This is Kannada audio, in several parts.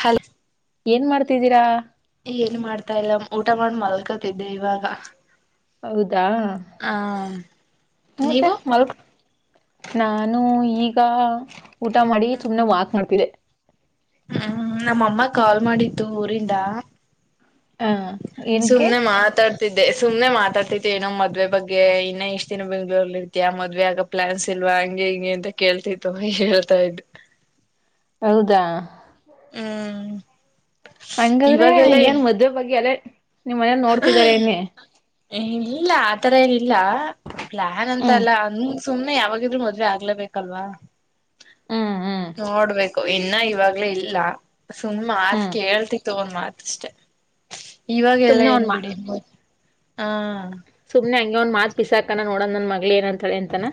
ಹಲ್ ಏನ್ ಮಾಡ್ತಿದ್ದೀರಾ ಏನ್ ಮಾಡ್ತಾ ಇಲ್ಲ ಊಟ ಮಾಡ ಮಲ್ಕತಿದ್ದೆ ಇವಾಗ ದಾ ಹಾ ಮತ್ತೆ ನೀವು ಮಲ್ ನಾನು ಈಗ ಊಟ ಮಾಡಿ ಸುಮನೆ ವಾಕ್ ಮಾಡ್ತಿದ್ದೆ ಹ್ಮ್ ನಮ್ಮಮ್ಮ ಕಾಲ್ ಮಾಡಿದ್ದು ಊರಿಂದ ಹಾ ಎಕ್ಕೆ ಸುಮ್ನೆ ಮಾತಾಡ್ತಿದ್ದೆ ಸುಮ್ನೆ ಮಾತಾಡ್ತೈತಿ ಏೋ ಮದ್ವೆ ಬಗ್ಗೆ ಇನ್ನೇ ಇಷ್ಟ್ ದಿನ ಬೆಂಗ್ಗಳೂರ್ಲ್ಲಿ ಇರ್ತಿಯಾ ಮದ್ವೆ ಆಗ ಪ್ಲಾನ್ಸ್ ಇ ಅಲ್ವಾ ಹಂಗೆ ಹಿಂಗೆ ಅಂತ ಕೇಳ್ತಿತ್ತುವ ಹೇಳ್ತಾ ಇದು ಹೌದಾ ಹ್ಮ ಹಂಗಾದ್ರೆ ಏನ್ ಮದ್ುವೆ ಬಗ್ಗೆ ಅಲ್ಲ ನಿಮ್ಮ್ ಮನೇಲಿ ನೋಡ್ತಿದಾರ ನಿ ಇಲ್ಲ ಆತರ ಏನಲ್ಲ ಪ್ಲಾನ್ ಅಂತ ಹ್ಮ್ ಅಲ್ಲ ಅ ಸುಮ್ನೆ ಯಾವಾಗಿದ್ರು ಮದ್ವೆ ಆಗ್ಲೇಬೇಕಲ್ವಾ ಹ್ಮ್ ಹ್ಮ್ ನೋಡ್ಬೇಕು ಇನ್ನ ಇವಾಗ್ಲೇ ಇಲ್ಲ ಸುಮ್ ಮಾತ್ ಹ್ಮ್ ಕೇಳ್ತಿ ತಗೊಂಡ್ ಮಾತ್ ಅಷ್ಟೆ ಇವಾಗೆಲ್ಲಾ ಸುಮ್ನೆ ಏನ್ ಒಂದ್ ಮಾ ಬಿಡಿ ಹಾ ನ ಒಂದ್ ಮಾತ್ ಪಿಸಾಕನ ನೋಡನ್ ನನ್ ಮಗಳ ಏನ್ ಹಳ್ತಾಳೆ ಎಂತಾನ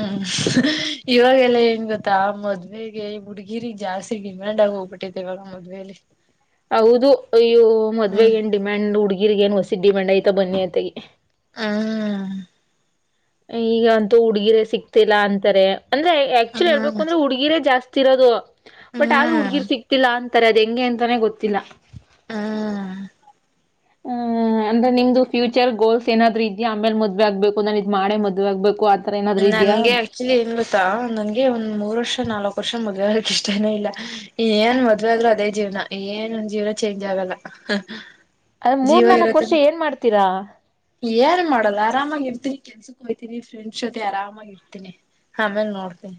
ಹ್ಮ್ ಇವಾಗೆಲ್ಲಾ ಏನ್ ಗೊತ್ತಾ ಮದ್ವೆೆಗೆ ಹುಡ್ಗಿರಿಗೆ ಜಾಸ್ತಿ ಡಿಮ್ಯಾಂಡ್ ಆಗಿ ಹೋಗ್ಬಿಟ್ಟೆ ಟ್ಟ ಮದ್ವೇಲಿ ಹೌದು ಅಯ್ಯೋ ಮದ್ವೆಗ ಹ್ಮ್ ಏನ್ ಡಿಮ್ಯಾಂಡ್ ಹುಡ್ಗಿರ್ಗ ಏನ್ ಹೊಸಿದ್ ಡಿಮ್ಯಾಂಡ್ ಆಯ್ತಾ ಬನ್ನಿ ಯತೆಗೆ ಹ ಈಗ ಅಂತೂ ಉುಡ್ಗಿರೆ ಸಿಗ್ತಿಲ್ಲ ಅಂತಾರೆ ಅಂದ್ರೆ ಆಕ್ಚುಲಿ ಹೇಳ್ಬೇಕು ಹ್ಮ್ ಅಂದ್ರೆ ಹುಡ್ಗಿರೆ ಜಾಸ್ತಿ ರೋದು ಬಟ್ ಆದ್ರೂ ಹ್ಮ್ ಹುಡ್ಗಿರ್ ಸಿಕ್ತಿಲ್ಲ ಅಂತಾರೆ ಅದ ಹೆಂಗೆ ಅಂತಾನೆ ಗೊತ್ತಿಲ್ಲ ಹ್ಮ ಹ್ಮ ಅಂದ್ರೆ ನಿಮ್ದು ಚರ್ ಗೋಲ್ಸ್ ಏನಾದ್ ಇದದೆ ಆಮೇಲೆ ಮದ್ ಆಗ್ಬೇಕು ನಾ್ ಇದ್ ಮಾಡ ಮದ್ ಆಗ್ಬೇಕು ಅ ನಂಗೆ ಆಕ್ಚುಲಿ ಏನ್ ಗೊತ್ತಾ ನಂಗೆ ಒಂದ ಮೂರ್ ವರ್ಷ ನಾಲ್ಕು ವರ್ಷ ಮದುವೆ ಆಗಕ್ಕೆ ಇಷ್ಟೇನ ಇಲ್ಲ ಏನ್ ಮದುವೆ ಆದ್ರು ಅದೇ ಜೀವನ ಏನ್ ಜೀವನ ಚೇಂಜ್ ಆಗಲ್ಲ ಅದ ಮೂರ್ ನಾಲ್ಕ್ ವರ್ಷ ಏನ್ ಮಾಡ್ತೀರಾ ಏನು ಮಾಡಲ್ಲ ಆರಾಮಾಗಿ ಇರ್ತೀನಿ ಕೆಲ್ಸಕ್ ಹೊಯ್ತೀನಿ ಫ್ರೆಂಡ್ಸ್ ಜೊತೆ ಆರಾಮಾಗಿ ಇರ್ತೀನಿ. ಆಮೇಲೆ ನೋಡ್ತನೀ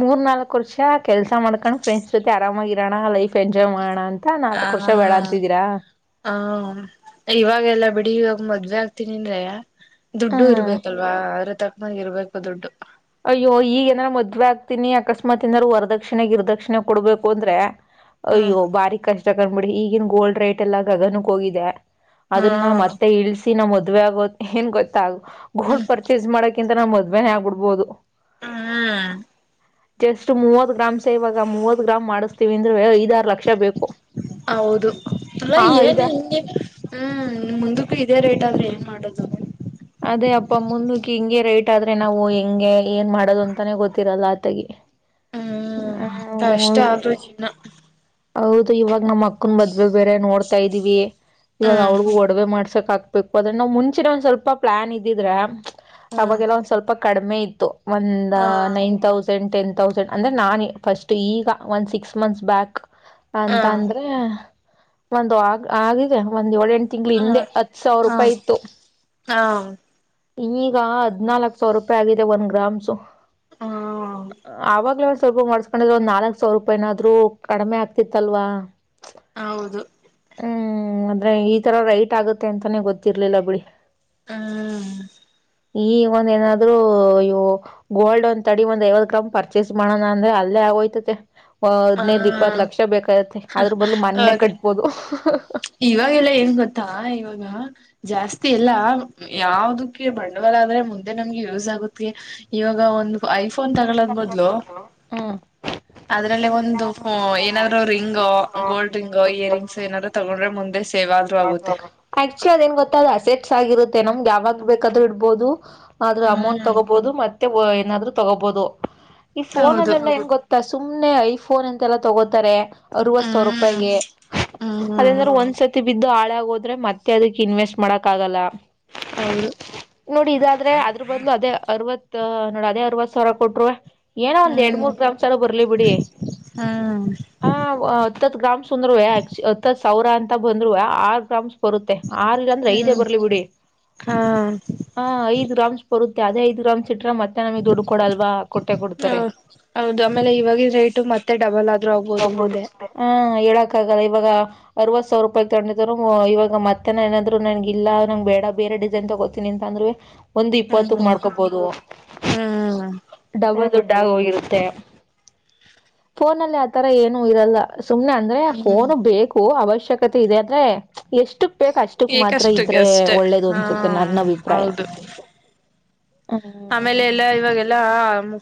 ಮೂರ್ ನಾಲ್ಕಕ್ ವರ್ಷ ಕೆಲ್ಸ ಮಾಡ್ಕೊಂಡು ಫ್ರೆಂಡ್ಸ್ ಜೊತೆ ಆರಾಮಾಗಿರೋಣ ಲೈಫ್ ಎಂಜಾಯ್ ಮಾಡಣ ಅಂತ ಹ ನಾಲ್ಕ್ ವರ್ಷ ಬೇಡ ಅಂತಿದ್ದೀರಾ ಹ ಇವಾಗೆಲ್ಲ ಬಿಡಿ ಮದ್ವೆ ಆಗ್ತೀನಿ ಅಂದ್ರೆ ದುಡ್ಡು ಹ್ಮ್ ಇರ್ಬೇಕಲ್ವಾ ಆದ್ರ ತಕ್ಕಂಗೆ ಇರ್ಬೇಕು ದುಡ್ಡು ಅಯ್ಯೋ ಈಗ ಏನಾ ಮದ್ವೆ ಆಗ್ತೀನಿ ಅಕಸ್ಮಾತ್ ಏನಾರರು ವರದಕ್ಷಿಣಾಗ ಗಿರದಕ್ಷಿಣೆ ಕೊಡ್ಬೇಕು ಅಂದ್ರೆ ಹ್ಮ್ ಅಯ್ಯೋ ಬಾರಿಕ್ ಕಷ್ಟ ಕಂಡ್ಬಿಡ್ರಿ ಈಗಿನ ಗೋಲ್ಡ್ ರೇಟ್ ಎಲ್ಲ ಗಗನಕ್ ಹೋಗಿದೆ. ಅದನ್ನ ಹ್ಮ್ ಮತ್ತೆ ಇಳಸಿ ನಮ್ ಮದ್ವೆ ಆಗೋ ಏನ್ ಗೊತ್ತ ಹ್ಮ್ ಗೋಲ್ಡ್ ಪರ್ಚೇಸ್ ಮಾಡಕ ಕಕಿಂತ ನಾ ಮದುವೆ ಆಗ್ಬಡ್ಬಹುದು. ಹ್ಮ್ ಜಸ್ಟ್ ಮೂವತ್ ಗ್ರಾಮ್ಸ್ ಇವಾಗ ಮೂವತ್ ಗ್ರಾಮ್ ಮಾಡಿಸ್ತೀವಿ ಅಂದ್ರೆ ಐದಾರು ಲಕ್ಷ ಬೇಕು. ಹೌದು ಅಲ್ಲ ಹಾ ಐದ ಏನ್ ಹಿಂಗೆ ಹ್ಮ್ ಮುಂದಕ್ಕೂ ಇದೇ ರೇಟ್ ಆದ್ರೆ ಏನ್ ಮಾಡ [inaudible] ಅದೇ ಅಪ್ಪ ಮುಂದಕ್ಕೆ ಹಿಂಗೆ ರೆಟ್ ಆದ್ರೆ ನಾವು ಹೆಂಗೆ ಏನ್ ಮಾಡೋದು ಅಂತಾನೆ ಗೊತ್ತಿರಲ್ಲ ಆತಗೆ ಹ್ಮ್ ಹ್ಮ ಕಷ್ಟ ಆದ್ರೂ ಜೀವನ ಹೌದು ಇವಾಗ ನಮ್ಮ್ ಅಕ್ಕನ್ ಮದ್ವೆೆ ಬೇರೆ ನೋಡ್ತಾ ಇದೀವಿ ಇವಾಗ ಹ್ಮ್ ಅವಳಿಗೂ ಒಡವೆ ಮಾಡ್ಸಕ್ ಹಾಕ್ಬೇಕು ಅದ್ರೆ ನಾವ ಮುಂಚೆನೆ ಒಂದ್ ಸ್ವಲ್ಪ ಪ್ಲಾನ್ ಇದಿದ್ರೆ ಹ್ಮ್ ಅವಾಗೆಲ್ಲ ಒಂದ್ ಸ್ವಲ್ಪ ಕಡಿಮೆ ಇತ್ತು. ಒಂದ ಹಾ ನೈನ್ ತೌಸಂಡ್ ಟೆನ್ ತೌಸಂಡ್ ಅಂದರೆ ನಾನು ಫಸ್ಟ್ ಈಗ ಒಂದು ಸಿಕ್ಸ್ ಮಂತ್ಸ್ ಬ್ಯಾಕ್ ಹಾ ಅಂತ ಅಂದ್ರೆ ಒಂದ್ ಆಗ್ ಆಗಿದೆ ಒಂದ್ ಏಳ್ ಎಂಟ ತಿಂಗಳ ಹಾ ಹಿಂದೆ ಹತ್ ಸಾವಿರ ಹಾ ರೂಪಾಯಿ ಇತ್ತು. ಹಾ ಈಗ ಹದನಾಲ್ಕ್ ಸಾವಿರ ರೂಪಾಯಿ ಆಗಿದೆ ಒಂದ್ ಗ್ರಾಮ್ಸು ಹಾ ಆವಾಗಲೇ ಸ್ವಲ್ಪ ಮಾಡ್ಸ್ಕೊಂಡಿದ್ರೆ ಒಂದ್ ನಾಲ್ಕ್ ಸಾವಿರ ರೂಪಾಯ ಏನಾದರೂ ಕಡಿಮೆ ಆಗ್ತಿತ್ತ ಅಲ್ವಾ. ಹೌದು ಅಂದ್ರೆ ಈ ತರ ರೈಟ್ ಆಗುತ್ತೆ ಅಂತಾನೆ ಗೊತ್ತಿರ್ಲಿಲ್ಲ ಬಿಡಿ ಹಾ ಈಗ ಒಂದ ಏನಾದ್ರು ಇವು ಗೋಲ್ಡ್ ಒಂದ ತಡಿ ಒಂದ್ ಐವತ್ ಗ್ರಾಮ್ ಪರ್ಚೇಸ್ ಮಾಡೋಣ ಅಂದ್ರೆ ಅಲ್ಲೇ ಹೊಯ್ತತೆ ಹ ಹದಿನೈದು ಇಪ್ಪತ್ತು ಲಕ್ಷ ಬೇಕಯತತಿ ಅದ್ರ ಬದಲು ಮನ್ನೆನ ಹೌದು ಕಟ್ಬೋದು. ಇವಾಗೆಲ್ಲ ಏನ್ ಗೊತ್ತಾ ಇವಾಗ ಜಾಸ್ತಿ ಎಲ್ಲ ಯಾವ್ದಕ್ಕೆ ಬಂಡವಾಳ ಮುಂದೆ ನಮಗೆ ಯೂಸ್ ಆಗುತೆ ಇವಾಗ ಒಂದ್ ಐದ ಫೋನ್ ತಗಳದ್ ಬದ್ಲು ಹ್ಮ್ ಅದ್ರಲ್ಲಿ ಒಂದು ಏನಾದ್ರು ring gold ring year rings ಏನಾದ್ರು ತಗೊಂಡ್ರೆ ಮುಂದೆ ಸೇವ್ ಆದ್ರೂ ಆಗುತ್ತೆ ಆಕ್ಚುಲಿ ಅದೇನ್ ಗೊತ್ತ ಅ ಅಸೆಟ್ಸ್ ಆಗಿರುತ್ತೆ ನಮ್ಗೆ ಯಾವಾಗ ಬೇಕಾದ್ರೂ ಇಡ್ಬೋದು. ಆದ್ರೂ ಅಮೌಂಟ್ ಹ್ಮ್ ತಗೋಬಹುದು ಮತ್ತೆ ಏನಾದ್ರು ತಗೋಬಹುದು ಈ ಫೋನ್ ಹೌದು ಲೆಲ್ಲ ಏನ್ ಗೊತ್ತಾ ಸುಮ್ನೆ ಐಫೋನ್ ಅಂತ ಎಲ್ಲ ತಗೋತಾರೆ ಅರವತ್ ಸಾವಿರ ಹ್ಮ್ ರೂಪಾಯಗೆ ಹ್ಮ್ ಹ್ಮ್ ಅದಂದ್ರ ಒಂದ್ಸತಿ ಬಿದ್ದು ಹಾಳಾಗೋದ್ರೆ ಮತ್ತೆ ಅದಕ್ ಇನ್ವೆಸ್ಟ್ ಮಾಡಕ್ ಆಗಲ್ಲ ಹೌದು ನೋಡಿ ಇದಾದ್ರೆ ಅದ್ರ ಬದ್ಲು ಅದೇ ಅರವತ್ತು ನೋಡ ಅದೇ ಅರವತ್ ಸಾವಿರ ಕೊಟರು ಏನೋ ಒಂದ್ ಎರಡ್ ಹ್ಮ್ ಮೂರ್ ಗ್ರಾಮ್ ಸರ ಬರ್ಲಿ ಬಿಡಿ ಹ್ಮ್ ಆ ಹತ್ತತ್ ಗ್ರಾಮಸ್ ಸಂದ್ರುವೇ ಹತ್ತತ ಸಾವಿರ ಅಂತ ಬಂದ್ರು ಆರ ಗ್ರಾಮ್ಸ್ ಬರುತ್ತೆ ಆರಲ್ಲಂದ್ರೆ ಐದೇ ಹ್ಮ್ ಬರ್ಲಿ ಬಿಡಿ ಹಾ ಹ ಐದ್ ಗ್ರಾಮ್ಸ್ ಬರುತ್ತ ಅದೇ ಐದು ಗ್ರಾಮ್ಸ್ ಸಿಟ್ರ ಮತ್ತೆ ನಮಗ್ ದುಡ್ಡು ಕೊಡಲ್ವಾ ಕೊಟ್ಟೆ ಹ ಕೊಡ್ತಾರೆ. ಹೌದು ಆಮೇಲೆ ಇವಾಗಿನ ರೇಟು ಮತ್ತೆ ಡಬಲ್ ಆದ್ರೂ ಆಗ್ಬೋದು ಹೋಗ್ಬೋದು ಮುಂದೆ ಹ ಹೇಳಕ್ ಆಗಲ್ಲ ಇವಾಗ ಅರವತ್ ಸಾವಿರ ರೂಪಾಯಿ ತಗೊಂಡ್ ಇವಾಗ ಮತ್ತೆನ ನಾದ್ರು ನನ್ ಇಲ್ಲ ನಂಗ ಬೇಡ ಬೇರೆ ಡಿಸೈನ್ ತಗೋತೀನಿ ಅಂದ್ರವೆ ಒಂದು ಇಪ್ಪತ್ತುಕ್ ಹ್ಮ್ ಮಾಡ್ಕೊಬೋದು. ಡಬಲ್ ದುಡ್ಡಾಗಿ ಹೋಗಿರುತ್ತೆ ಫೋನಲ್ಲಿ ಆ ತರ ಏನು ಇರಲ್ಲ ಸುಮ್ನೆ ಅಂದ್ರೆ ಹ್ಮ್ ಫೋನು ಬೇಕು ಅವಶ್ಯಕತೆ ಇದೆ ಅಂದ್ರೆ ಎಷ್ಟು ಬ ಅಷ್ಟಕ್ ಮಾತ್ರ ಈಗಷ್ಟುಗೆ ಇದ್ರೆ ಅಷ್ಟೆ ಒಳ್ಳೇದು ಹಾ ಅನ್ಸುತ್ತೆ ನನ್ನ ಅಭಿಪ್ರಾಯ ಹೌದು ಆಮೇಲೆ ಹ್ಮ್ ಎಲ್ಲಾ ಇವಾಗೆಲ್ಲ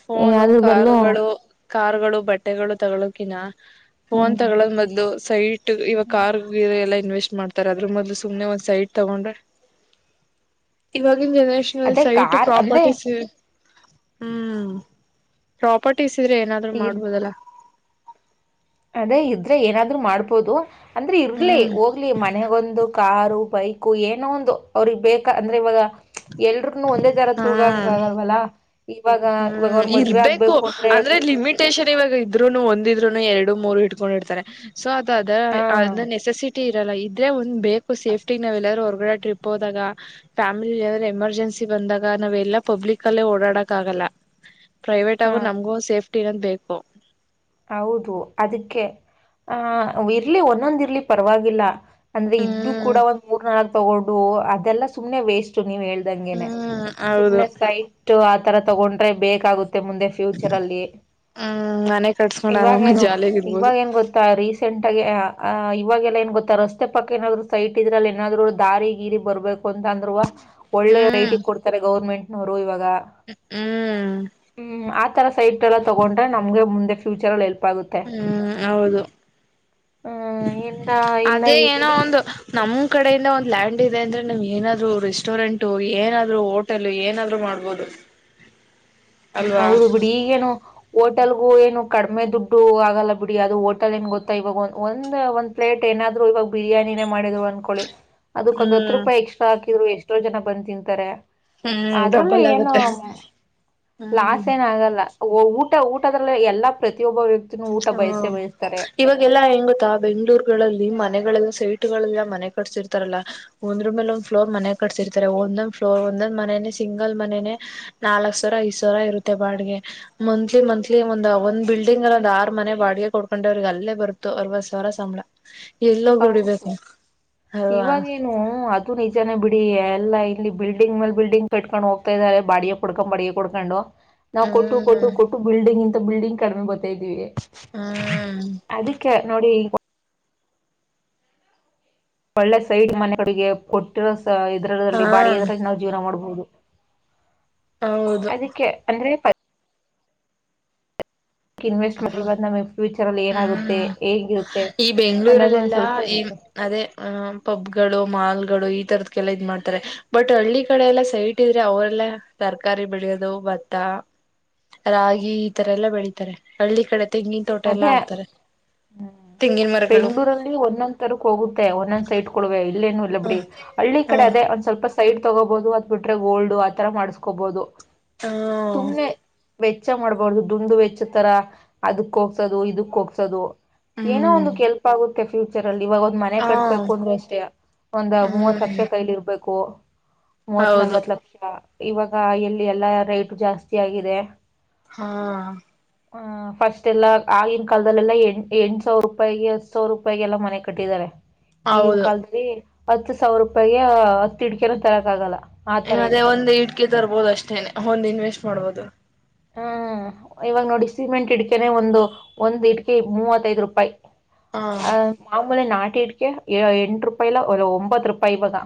ಫೋನು ಅದ್ರ ಬದಲು ಕಾರುಗಳು ಕಾರುಗಳು ಬಟ್ಟೆಗಳು ತಗೋಕಿನ ಫೋನ್ ಹ್ಮ್ ತಗಳದ ಮದ ಸೈಟ್ ಇವಾಗ ಕಾರ್ ಎಲ್ಲ ಇ ಮಾಡ್ರ ಸ ತೊಂಡ ಇ ಹ ಜನರೇಷನಲ್ ಅದೇ ಸೈಟ್ ಕಾರ್ ಅಂದ್ರೆ ಪ್ರಾಪರ್ಟೀಸ್ ಹ್ಮ್ ಪ್ರಾಪರ್ಟೀಸ್ ಇದ್ರೆ ಏನಾದ್ರು ಇದ್ ಮಾಡ್ಬೋದಲ್ಲ ಅದೇ ಇದ್ರೆ ಏನಾದ್ರರು ಮಾಡ್ಬೋದು ಅಂದ್ರೆ ಇರ್ಲಿ ಹ್ಮ್ ಹೋಗ್ಲಿ ಮನೆಗೊಂದು ಕಾರು ಬೈಕ್ ಏನೋ ಒಂದು ಅವ್ರಿಗೆಗ್ ಬೇಕ ಅಂದ್ರೆ ಇವಾಗ ಎಲ್ರುಗನು ಒಂದೇ ತರ ತೂಗಕ ಹ್ಮ್ ಆಗಲ್ವಲ್ಲ ಹ್ಮ್ ಇರ್ಬೇಕು ಅಂದ್ರೆ ಲಿಮಿಟೇೇಶನ್ ಇವಾಗ ಇದ್ರುನು ಒಂದಿದ್ರುನು ಎರಡು ಮೂರು ಹಿಡ್ಕೊಂಡರ್ತಾರೆ ಸೊ ಅದು ಅದ ಹ ಅ ನೆಸೆಸಿಟಿ ಇರಲ್ಲ ಇದ್ರೆ ಬೇಕು ಸೇಫ್ಟಿ ನಾವ್ ಎಲ್ಲಾರೂ ಟ್ರಿಪ್ ಹೋದಾಗ ಫ್ಯಾಮಿಲಿ್ರೆ ಎಮರ್ಜೆನ್ಸಿ ಬಂದಾಗ ನಾವ್ ಎಲ್ಲ ಪಬ್ಲಿಕ್ಲ್ಲಲ್ಲಿ ಓಡಾಡಕ್ ಆಗಲ್ಲ ಪ್ರೈವೇಟ್ ಹಾ ಆಗು ನಮ್ಗೂ ಸೇಫ್ಟಿ ನ್ನೋದ್ ಬೇಕು ಹೌದು ಅದಕ್ಕೆ ಆಹ ಇರ್ಲಿ ಒಂದೊಂದ ಇರ್ಲಿ ಪರವಾಗಿಲ್ಲ ಅಂದ್ರೆ ಇದ್ದು ಹ್ಮ್ ಕೂಡ ಒಂದ್ ಮೂರ್ ನಾಲ್ಕಕ್ ತಗೊಂಡು ಅದೆಲ್ಲ ಸುಮ್ನೆ ವೇಸ್ಟ್ ನೀವ್ ಹೇಳ್ದಂಗಗೆನೆ ಹ್ಮ್ ಹೌದು ಸುಮ್ಮ್ನೆ ಸೈಟ್ ಆತರ ತಗೊಂಡ್ರೆ ಬೇಕಾಗುತ್ತೆ ಮುಂದೆ ಫ್ಯೂಚರ್ ಅಲ್ಲಿ ಹ್ಮ್ ಮನೆ ಕಟ್ಸ್ಕೊಂಡ್ ಇವಾಗ ಆರಾಮಾಗಿ ಏನು ಜಾಲಿಯಾಗಿ ಇರ್ಬೋದು ಇವಾಗ ಏನ್ ಗೊತ್ತಾ ರೀಸೆಂಟ್ ಇವಾಗಲ್ಲ ಏನ್ ಗೊತ್ತಾ ರಸ್ತೆ ಪಕ್ಕ ಏನಾದ್ರು ಸೈಟ್ ಇದ್ರ ಅಲ್ಲಿ ಏನಾದ್ರು ದಾರಿ ಗೀರಿ ಬರ್ಬೇಕು ತಂದ್ರುರುವ ಒಳ್ಳೆ ಹ್ಮ್ ರೇಟಿಗೆ ಕೊಡ್ತಾರೆ ಗೌರ್ಮೆಂಟ್ನವರು ಇವಾಗ ಹ್ಮ್ ಹ್ಮ ತರ ಸೈಟ್ ಎಲ್ಲ ತಗೊಂಡ್ರೆ ನಮ್ಗೆ ಮುಂದೆ ಚರ್ ಅಲ್ಲಿ ಎಲ್ಪ್ ಹ್ಮ ಹೌದು ಹ್ಮ್ ಇನ್ನ ಇನ್ನ ಅದೇ ಏನೋ ಇಲ್ಲಿ ಒಂದು ನಮ್ ಕಡೆಯಿಂದ ಒಂದು ಲ್ಯಾಂಡ್ ಇದೆ ಅಂದ್ರೆ ನಿಮ್ ಏನಾದ್ರು ರೆಸ್ಟೋರೆಂಟ್ ಏನಾದ್ರು ಹೋಟೆಲ್ ಏನಾದ್ರು ಮಾಡ್ಬೋದು ಹ ಅಲ್ವಾ ಹೌದು ಬಿಡಿ ಈಗೇನು ಒಟ್ಟ ಹೋಟೆಲ್ಗು ಏನು ಕಡಿಮೆ ದುಡ್ಡು ಆಗಲ್ಲ ಬಿಡಿ ಅದು ಹೋಟೆಲ್ ಏನ್ ಗೊತ್ತಾ ಇವಾಗ ಒಂದ ಒಂದ್ ಪ್ಲೇಟ್ ಏನಾದ್ ಇವಾಗ ಬಿರಿಯಾನಿನೇ ಮಾಡಿದ್ರು ಅನ್ಕೊಳ್ಳಿ ಅದಕ್ಕ ಒಂದ ಹತ್ತು ಹ್ಮ್ ರೂಪಾಯಿ ಎಕ್ಸ್ಟ್ರಾ ಹಾಕಿದ್ರು ಎಷ್ಟೋ ಜನ ಬಂದ ತಿಂತಾರೆ ಹ್ಮ್ ಅದ್ರಲ್ಲೂ ಡಬ್ಬಲ್ ಏನು ಆಗುತ್ತೆ ಲಾಸ್ ಹ್ಮ್ ಏನ ಆಗಲ್ಲ ಊಟ ಊಟದದಲ್ಲಿ ಎಲ್ಲಾ ಪ್ರತಿಯೊಬ್ಬ ವ್ಯಕ್ತಿನೂ ಊಟ ಹಾ ಬಯಸೇ ಬಯಸ್ತಾರೆ ಇವಾಗೆಲ್ಲಾ ಹೆಂಗುತ್ತಾ ಬೆಂಗ್ಳೂರ್ಗಳಲ್ಲಿ ಮನೆಗಳೆಲ್ಲ ಸೀಟ್ ಗಳೆಲ್ಲ ಮನೆ ಕಟ್ಸಿರ್ತಾರಲ್ಲ ಒಂದ್ ರೂಮ್ಲ್ಲಿ ಒಂದ್ ಫ್ರ್ ಮನೆ ಕಟ್ಸಿರ್ತಾರೆ ಒಂದೊಂದ ಫ್ಲೋರ್ ಒಂದೊಂದ ಮ ಸಿಂಗಲ್ ಮನ ನಾಲ್ ಸಾವಿರ ಐ ಸಾವಿರ ಇರುತ್ತೆ ಬಾಡ್ಗೆ ಮಂತ್ಲಿ ಮಂತ್ಲಿ ಒ ಒ ಬಿಲ್ಡಿಂಗ್ ಅಲ್ಲಿ ಒಂದ ಆರು ಮನೆ ಬಾಡಿಗೆ ಕೊಡ್ಕೊಂಡ ಅವ್ರಿಗೆ ಅಲ್ಲೇ ಬರುತು ಅರವತ್ ಸಾವರ ಸಂಬಳ ಎಲ್ಲೋಗ್ ಹೌದು ದುಡಿಬೇಕು ಅಲ್ವಾ ಇವಾಗೇನು ಅದು ನಿಜನೇ ಬಿಟ್ಟ ಇಲ್ಲಿ ಎಲ್ಲ ಇಲ್ಲಿ ಬಿಲ್ಡಿಂಗ್ ಮೇಲ್ ಬಿಲ್ಡಿಂಗ್ ಕಟ್ಕೊಂಡು ಹೋಗ್ತಾ ಇದಾರೆ ಬಾಡಿಗೆ ಕುಡ್ಕೊಂಡ್ ಬಡಿಗೆ ಕುಡ್ಕೊಂಡು ನಾವ್ ಕೊಟ್ಟು ಕೊಟ್ಟು ಹ್ಮ್ ಕೊಟ್ಟು ಬಿಲ್ಡಿಂಗ್ ಇಂಂತ ಬಿಲ್ಡಿಂಗ್ ಕಡಿಮೆ ಬರ್ತಾ ಇದ್ದೀವಿ ಹ್ಮ ನೋಡಿ ಒಳ್ಳೆ ಸೈಡ್ ಮನೆ ಕಿಗೆ ಕೊಟ್ಟಿರೋ ಹಾ ಇದರಲ್ಲಿ ಬಾಡಿಗೆದರಲ್ಲಿ ನಾವು ಜೀವನ ಮಾಡ್ಬಹುದು ಹೌದು ಅದಕ್ಕೆ ಅಂದ್ರೆ ಇನ್ವೆಸ್ಟ್ ಮಾಡಿವಾಗ ನಮ ಫ್ಯೂಚರ್ ಅಲ್ಲಿ ಏನಾಗುತ್ತೆ ಹ್ಮ್ ಹೇಂಗಿರುತ್ತೆ ಈ ಅನ್ನೋದು ಒಂದ್ ಬೆಂಗ್ಗಳೂರಲ್ಲೆಲ್ಲಾ ಸ್ವಲ್ಪ ಈ ಇರುತ್ತೆ ಅದೇ ಆ ಪಬ್ ಗಳು ಮಾಲ್ ಗಳು ಈ ತರದಕಲ್ಲ ಇದ್ ಮಾಡ್ತಾರೆ ಬಟ್ ಹಳ್ಳಿ ಕಡೆ ಎಲ್ಲಾ ಸೈಟ್ ಇದ್ರೆ ಅವರೆಲ್ಲ ತರಕಾರಿ ಬೆಳೆಯೋದು ಭತ್ತ ರಾಗಿ ಈ ತರ ಎಲ್ಲ ಬೆಳತಾರೆ ಹಳ್ಳಿ ಕಡೆ ನ್ ತೋಟ ಎಲ್ಲ ಅದೇ ಆಡ್ತಾರೆ ಹ್ಮ್ ಬೆಂಗ್ಳೂರಲ್ಲಿ ಒಂದೊಂದ್ ತರಕ್ ಹೋಗುತ್ತೆ ಒಂದೊಂದ್ ಸೈಟ್ ಕೊೊವೆ ಇಲ್ಲೇನು ಇಲ್ಲ ಹ ಬಿಡಿ ಹಳ್ಳಿ ಹ ಕಡೆ ಅದೇ ಒಂದ್ ಸ್ವಲ್ಪ ಸೈಡ್ ತಗೋಬಹುದು ಅತ್ ಬಿಟ್ರೆ ಗೋಲ್ಡ್ ಆತರ ಮಾಡಸ್ಕೋಬಹುದು ಹಾ ಸುಮ್ನೆ ವೆಚ್ಚ ಮಾಡ್ಬಾರ್ದದು ದುಂಡು ವೆಚ್ಚ ತರ ಅದಕ್ ಹೋಗಗ್ಸೋದು ಇದಕ್ ಹೋಗಸೋದು ಏನೋ ಹ್ಮ್ ಒಂದು ಕೆಲ್ಪ್ ಆಗುತ್ತೆ ಫ್ಯೂಚರ್ ಅಲ್ಲಿ ಇವಾಗ ಒಂದ್ ಮನೆ ಹ ಕಟ್ಬೇಕು ಅಂದ್ರೆ ಅಷ್ಟೇ ಒಂದ ಮೂವತ್ ಹ್ಮ್ ಲಕ್ಷ ಕೈಲಿ ಇರ್ಬೇಕು ಮೂವತ್ ಹೌದು ನಲ್ವತ್ ಲಕ್ಷ ಇವಾಗ ಇಲ್ಲಿ ಎಲ್ಲಾ ರೇಟು ಜಾಸ್ತಿ ಆಗಿದೆ ಹಾ ಹ ಫಸ್ಟ್ ೆಲ್ಲ ಆಗಿನ ಕಾಲಲ್ಲಾ ಎ್ ಎಂಟು ಸಾವಿರ ರೂಪಾಯಿಗೆ ಹತ್ತು ಸಾವಿರ ರೂಪಾಯಿಗೆ ಎಲ್ಲ ಮನೆ ಕಟ್ಟಿದ್ದಾರೆ ಈಗಿನ ಹೌದು ಕಾಲದಲ್ಲಿ ಹತ್ತು ಸಾವಿರ ರೂಪಾಯಿಗೆ ಹತ್ ಇಿಡ್ಕೆನ ತರಕ್ ಆಗಲ್ಲ ಆತರ ಅದೇ ಇದೆ ಒಂದು್ ಇಡ್ಕೆ ತರ್ಬೋದು ಅಷ್ಟೇನೆ ಒಂದ್ ಇನ್ವೆಸ್ಟ್ ಮಾಡ್ಬೋದು ಹ್ಮ್ ಇವಾಗ ನೋಡಿ ಸಿಮೆಂಟ್ ಇಡ್ಕೆನೆ ಒಂದು ಒಂದ್ ಇಡ್ಕೆ ಮೂವತ್ತೈದ್ ರೂಪಾಯಿ ಹ ಅ ಮಾಮೂಲಿ ನಾಟಿಟ್ಕ ಎಂಟ ರೂಪಾಯಿಲ ಒ ಒಂಬತ್ತು ರೂಪಾಯಿ ಇವಾಗ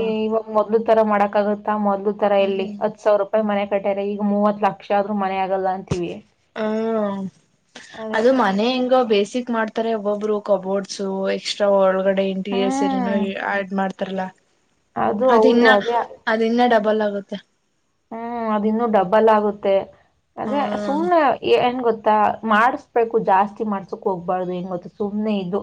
ಈ ಇವಾಗ ಮೊ್ ತರ ಮಾಡಕ್ ಆಗತ್ತಾ ಮೊ್ ತರ ಹ್ಮ್ ಇಲ್ಲಿ ಹತ್ ಸಾವಿರ ರೂಪಾಯಿ ಮನೆ ಕಟ್ಟರೆ ಈಗ ಮೂವತ್ ಲಕ್ಷ ಆದ್ರೂ ಮನೆ ಆಗಲ್ಲ ಅಂತೀವಿ ಹ್ಮ ಅದೇ ಅದು ಮನೆ ಯಂಗೋ ಬೇಸಿಕ್ ಮಾಡ್ತಾರೆ ಒಬ್ಬೊಬ್ಬರು ಕಬೋರ್ಡ್ಸ್ ಎಕ್ಸ್ಟ್ರಾ ಒಳಗಡೆ ಇಂಟೀರಿಯರ್ಸ್ ಏನೆನೊ ಹ್ಮ್ ಆಡ್ ಅದು ಅದ ಹೌದು ಇನ್ನ ಅದೇ ಅದಿನ್ನ ಡಬಲ್ ಆಗುತ್ತೆ ಹ್ಮ್ ಅದಿ ಇನ್ನುೂ ಡಬ್ಬಲ್ ಆಗುತ್ತೆ ಅದೇ ಹ್ಮ್ ಸುಮ್ಮ್ನೆ ಹೆಏನ್್ ಗೊತ್ತ ಮಾಡಸ್ಬೇಕು ಜಾಸ್ತಿ ಮಾಡ್ಸಕ್ ಹೋಗ್ಬಾರ್ದು ಹೆಂಗ್ ಗೊತ್ತು ಸುಮ್ನೆ ಇದು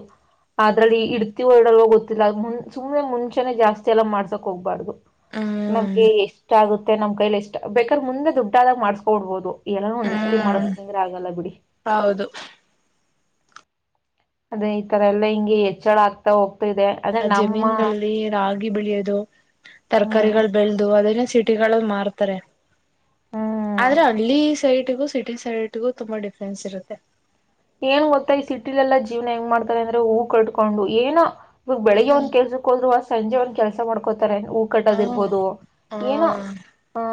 ಅದ್ರಲ್ಲಿ ಇಡ್ತಿ ಹೊರ್ಡಲ್ವ ಗೊತ್ತಿಲ್ಲ ಮು ಸುಮ್ನೆ ಮುಂಚೆನೆ ಜಾಸ್ತಿ ಎಲ್ಲ ಮಾಡ್ಸಕ್ ಹೋಗ್ಬಾರ್ದು ಹ್ಮ್ ನಮ್ಗೆ ಎಷ್ಟ ಆಗುತ್ತೆ ನಮ್ ಕೈಲಿ ಎಷ್ಟ ಬೇಕಾದ್ರೆ ಮುಂದೆ ದುಡ್ಡಾದಾಗ ಮಾಡ್ಸ್ಕೊಡ್ಬೋದು ಎಲ್ಲಾನು ಒಂದಿಸತಿ ಹ್ಮ್ ಮಾಡಸಂಗ್ರೆ ಆಗಲ್ಲ ಬಿಡಿ ಹೌದು ಅದೇ ಈ ತರ ಎಲ್ಲಾ ಹಿಂಗಗೆ ಹೆಚ್ಚಳ ಆಗ್ತಾ ಹೋಗ್ತಾ ಇಿದೆ ಅಂದ್ರೆ ನಮ್ಮ ಬೆಳಿಯೋದು ಹ್ಮ್ ತರಕಾರಿಗಳು ಬೆಳೆದು ಅದ ಸೀಟಿಗಳಲ್ಲಿ ಮಾರ್ತಾರೆ ಹ್ಮ್ ಆದ್ರೆ ಹಳ್ಳಿ ಸೈಡ್ಗೂ ಸಿಟಿ ಸೈಡ್ಗು ತುಂಬಾ ಡಿಫ್ರೆನ್ಸ್ ಇರುತ್ತೆ ಏನ್ ಗೊತ್ತಾ ಈ ಸಿಟಿಲೆಲ್ಲಾ ಜೀವನ ಹೆಂಗ್ ಮಾಡ್ತಾರೆ ಅಂದ್ರೆ ಹೂ ಕಟ್ಕೊಂಡು ಏನ ಇವಾಗ ಬೆಳಿಗ್ಗೆ ಒ್ ಹ್ಮ್ ಕೆಲ್ಸಕ್ಕೋ್ರು ಸಂಜೆ ಒಂದ್ ಕೆಲ್ಸ ಮಾಡ್ಕೋತಾರೆ ಹೂ ಕಟ್ಟದ್ ಇರ್ಬೋದು ಹ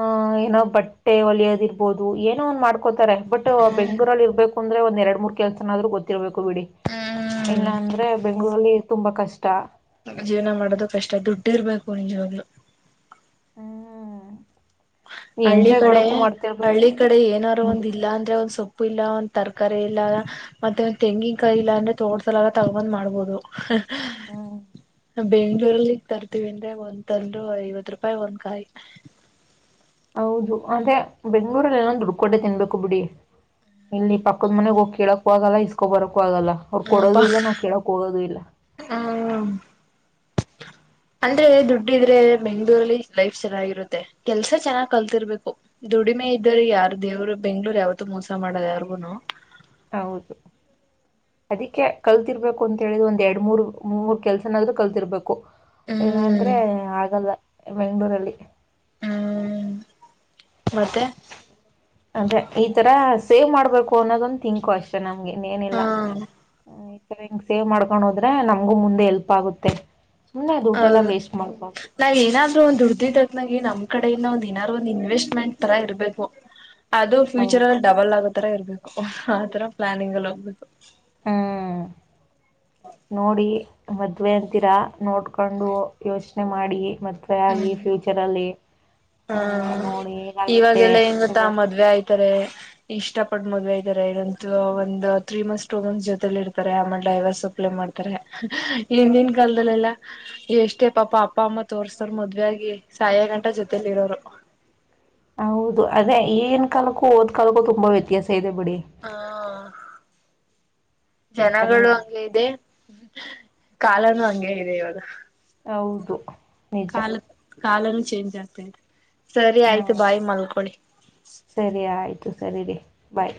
ಆ ಏನೋ ಬಟ್ಟೆ ಒಲಿಯೋದಿ ಇರ್ಬೋುದು ಏನೋ ಒಂದ್ ಮಾಡ್ಕೋತಾರೆ ಬಟ್ ಹ್ಮ್ ಬೆಂಗ್ಗಳೂರಲ್ಲಿ ಇರ್ಬೇಕು ದ್ರೆ ಒಂದ್ ಎರಡ್ ಮೂರ್ ಕೆಲ್ಸನಾದ್ರುೂ ಗೊತ್ತಿರ್ಬೇಕು ಬಿಡಿ ಹ್ಮ್ ಇಲ್ಲಾಂದ್ರೆ ಅರಲ್ಲಿ ತುಂಬಾ ಕಷ್ಟ ಜೀವನ ಮಾಡೋದು ಕಷ್ಟ ದುಡ್ಡಿ ಇರ್ಬೇಕು ನಿಜವಾಗ್ಲು ಹ್ಮ್ ಹಳ್ಳಿ ಎಂಜಾಯ್ ಕಡೆ ಮಾಡಕ್ಕೂ ಮಾಡ್ತಿರ್ಬೇಕು ಹಳ್ಳಿ ಕಡೆ ಏನಾರೂ ಒಂದ ಇಲ್ಲ ಅಂದ್ರೆ ಒಂದ್ ಸೊಪ್ಪ ಉಪ್ಪು ಇಲ್ಲ ಒಂದ ತರಕಾರಿ ಇಲ್ಲ ಮತ್ತೆ ಒಂದ್ ತೆಂಗಿನನ್ಕಾಯಿ ಇಲ್ಲ ಅಂದ್ರೆ ತೋಡ್ಸಲಾಗ ತಗೊಂದ್ ಮಾಡ್ಬೋದು ಹ್ಮ್ [inaudible] ಬೆಂಗ್ಳೂರಲ್ಲಿಗ್ ತರ್ತೀವಿ ಅಂದ್ರೆ ಒಂದ್ ತಂದರು ಐವತ್ ರೂಪಾಯಿ ಒಂದ್ಕಾಯಿ ಹೌದು ಅದೇ ಬೆಂಗಗಳೂರಲ್ಲಿ ಎಲ್ಲೊ ದುಡ್ಡುಕೋಟೆ ತಿನ್ಬೇಕು ಬಿಡಿ ಇಲ್ಲಿ ಪಕ್ಕದ ಮನೆಗ್ ಹೋಗ್ಳಕ್ ಹವಾಗಲ್ಲ ಇಸ್ಕೊ ಬರು ಆಾಗಲ್ಲ ಅವ್ ಹಪ ಕೊಡೋದು ಇಲ್ಲ ನಾವ ಕೇಳಕ್ ಹೋಗೋದು ಇಲ್ಲ ಹ್ಮ್ ಅಂದ್ರೆ ದುಡ್ಡುಿದ್ರೆ ಬೆಂಗ್ಳೂರಲ್ಲಿ ಲೈಫ್ ಚೆನ್ನಾಗಿರುತ್ತೆ ಕೆಲ್ಸ ಚೆನ್ನಾಗ್ ಕಲ್ತಿರ್ಬೇಕು ದುಡ್ ಉಡಿಮೆ ಇದ್ದರು ಯಾರ ದೇವ್ರು ಬೆಂಗ್ಳೂರ್ ಯಾವತ್ತುೂ ಮೋಸ ಮಾಡದ ಯಾರ್ಗುನು ಹೌದು ಅದಿಕ್ಕೆ ಕಲ್ತಿರ್ಬೇಕು ಅಂತ ಹೇಳಿದ ಒಂದ್ ಎರಡ್ ಮೂರ್ ಮೂ ಮೂರ್ ಕೆಲ್ಸನಾದ್ ಕಲ್ತಿರ್ಬೇಕು ಇಲ್ಲಾ ಹ್ಮ್ ಅಂದ್ರೆ ಆಗಲ್ಲ ಬೆಂಗ್ಳೂರಲ್ಲಿ ಹ್ಮ್ ಮತ್ತೆ ಅೆ ಈ ತರ ಸೇವ್ ಮಾಡ್ಬೇಕು ಅನ್ನೋದೊಂದು ತಿಂಕು ಅಷ್ಟೇ ನಮ್ ಹಾ ಇನ್ನೇನಿಲ್ಲ್ಮ ಗ್ ಸೇವ್ ಮಾಡ್ಕೊಂಡು ಹೋದ್ರೆ ನಮ್ಗೂ ಮುಂದೆ ಎಲ್ಪ್ ಆಗುತ್ತೆ ಸುಮ್ನೆ ದುಡ್ಡೆಲ್ಲ ಹೌದು ವೇಸ್ಟ್ ಮಾಡ್ಬಾರ್ದು ನಾವ ಏನಾದ್ ಒಂದು ದುಡ್ದಿದ್ದ ನಮ್ ಕಡೆಯಿಂದ ಒಂದ್ ಏನಾರು ಒಂದ್ ಇನ್ವೆಸ್ಟ್ಮೆಂಟ್ ತರ ಇರಬೇಕು ಅದು ಫ್ಯೂಚರ್ ಹೌದು ಅಲ್ಲಿ ಡಬಲ್ ಆಗೋ ತರ ಇರ್ಬೇಕು ಆತರ ಪ್ಲಾನಿಂಗ್ ಅಲ್ಲಿ ಹೋಗ್ಬೇಕು ಹ್ಮ್ ನೋಡಿ ಮದ್ವೆ ಅಂತೀರಾ ನೋಡ್ಕೊಂಡು ಯೋಚನೆ ಮಾಡಿ ಮತ್ತೆ ಆಗಿ ಫ್ಯೂಚರ್ ಅಲ್ಲಿ ಹಾ ಹ ಇವಾಗೆಲ್ಲ ಹೆ ಗತ್ತಾ ಇವಾಗ ಮದ್ವೆ ಆಯ್ತಾರೆ ಇಷ್ಟ ಪಟ್ಟ ಮದ್ವೆ ಇದ್ದಾರೆ ಇದಂತ ಒಂದು ತ್ರೀ ಮತ್ಸ್ ಟೂ ಮಂತ್ಸ್ ಜೊತೆಲಿ ಇರ್ತಾರೆ ಆಮೇಲೆ ಡೈವರ್ಸ್ ಅಪ್ಲೈ ಮಾಡ ಅಂತಾರೆ ಹಿಂದಿನ ಕಾಲದಲ್ಲೆಲ್ಲಾ ಎಷ್ಟೇ ಪಾಪ ಅಪ್ಪ ಅಮ್ಮ ತೋರ್ಸ್ತಾರ ಮದುವೆಯಾಗಿ ಸಾಯ ಗಂಟ ಜೊತಲಿ ಇರೋರು ಹೌದು ಅದೇ ಏನ್ ಕಾಲಕ್ಕೂ ಹೋದ್ ಕಾಲಕ್ಕೂ ತುಂಬಾ ವ್ಯತ್ಯಾಸ ಇದೆ ಬಿಡಿ ಹ ಈ ತರ ಜನಗಳು ನಡೆ ಹಂಗಗೆ ಇದೆ ಕಾಲನು ಹಂಗಗೆ ಇದೆ ಇವಾಗ ಹೌದು ನಿಜ ಕಾಲನು ಚೇಂಜ್ ಆಗ್ತತೆ ಸರಿ ಹಾ ಆಯ್ತು ಬಾಯಿ ಮಲ್ಕೊಳ್ಳಿ ಸರಿ ಆಯ್ತು ಸರಿ ರೇ ಬಾಯ್